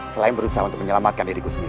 selain berusaha untuk menyelamatkan diriku sendiri